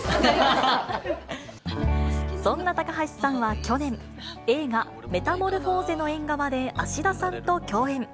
そんな高橋さんは去年、映画、メタモルフォーゼの縁側で芦田さんと共演。